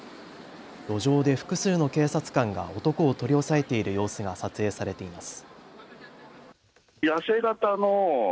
路上で複数の警察官が男を取り押さえている様子が撮影されています。